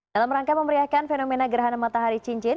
dalam rangka memeriahkan fenomena gerhana matahari cincin